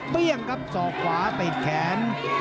เปลี่ยงครับสอกขวาปิดแขน